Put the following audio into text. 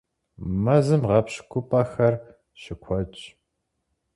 Мэзым гъэпщкӀупӀэхэр щыкуэдщ.